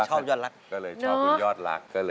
ชอบอยอดรัก